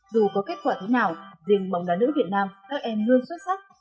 dù có kết quả thế nào riêng bóng đá nước việt nam các em hương xuất sắc